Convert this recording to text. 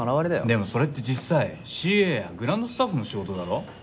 でもそれって実際ＣＡやグランドスタッフの仕事だろ？